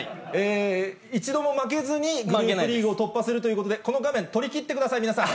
一度も負けずに、グループリーグを突破するということで、この画面、取り切ってください、皆さん。